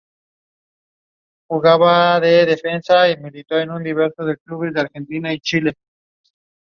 El Club Deportivo Ourense B es el equipo dependiente del club.